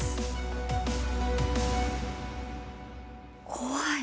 怖い！